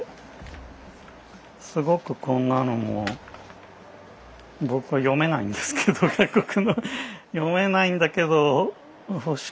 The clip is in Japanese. すごくこんなのも僕は読めないんですけど外国語読めないんだけど欲しくて。